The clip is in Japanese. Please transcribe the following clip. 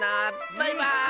バイバーイ！